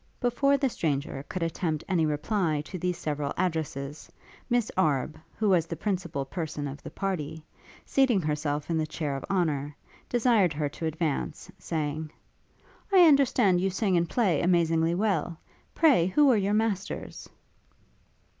Before the stranger could attempt any reply to these several addresses, Miss Arbe, who was the principal person of the party, seating herself in the chair of honour, desired her to advance, saying, 'I understand you sing and play amazingly well. Pray who were your masters?'